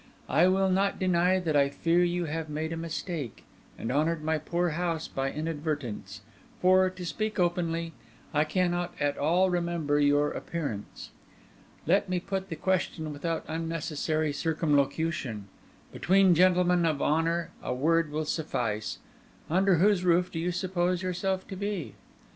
I will not deny that I fear you have made a mistake and honoured my poor house by inadvertence; for, to speak openly, I cannot at all remember your appearance. Let me put the question without unnecessary circumlocution—between gentlemen of honour a word will suffice—Under whose roof do you suppose yourself to be?"